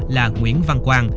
là nguyễn văn quang